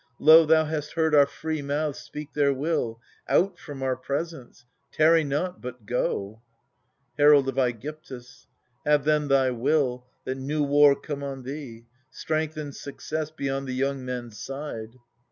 — Lo, thou hast heard our free mouths speak their will : Out from our presence — tarry not, but go ! Herald of ^gyptus. Have then thy will, that new war come on thee. Strength and success be on the young men's side